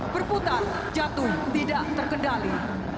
berputar jatuh tidak terkendali